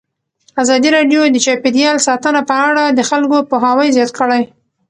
ازادي راډیو د چاپیریال ساتنه په اړه د خلکو پوهاوی زیات کړی.